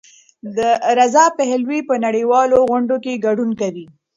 رضا پهلوي په نړیوالو غونډو کې ګډون کوي.